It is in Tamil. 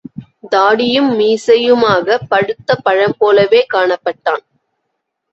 தாடியும் மீசையுமாக பழுத்த பழம்போலவே காணப்பட்டான்.